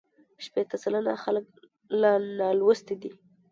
شپېته سلنه خلک لا نالوستي دي.